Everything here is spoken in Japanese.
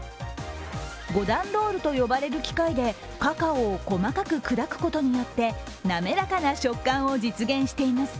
５段ロールと呼ばれる機械でカカオを細かく砕くことによって滑らかな食感を実現しています。